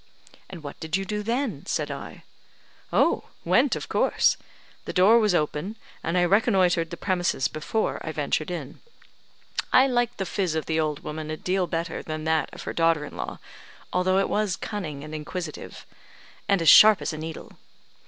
"And what did you do then ?" said I. "Oh, went of course. The door was open, and I reconnoitred the premises before I ventured in. I liked the phiz of the old woman a deal better than that of her daughter in law, although it was cunning and inquisitive, and as sharp as a needle.